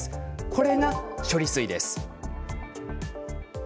これが処理水です。